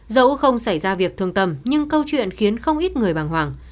dẫu không xảy ra việc thương tâm nhưng câu chuyện khiến không ít người bằng hoảng